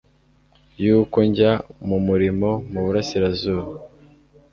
yuko njya mu murimo mu Burasirazuba